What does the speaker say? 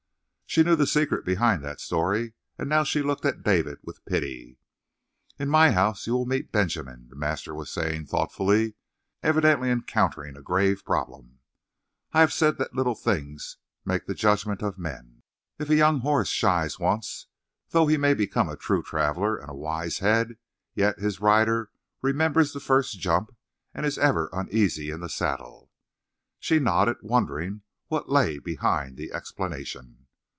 She knew the secret behind that story, and now she looked at David with pity. "In my house you will meet Benjamin," the master was saying thoughtfully, evidently encountering a grave problem. "I have said that little things make the judgments of men! If a young horse shies once, though he may become a true traveler and a wise head, yet his rider remembers the first jump and is ever uneasy in the saddle." She nodded, wondering what lay behind the explanation.